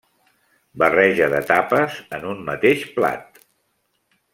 Barreja de tapes en un mateix plat.